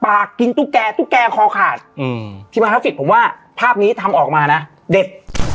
กินตุ๊กแกตุ๊กแกคอขาดทีมมากราฟิกผมว่าภาพนี้ทำออกมานะเด็ด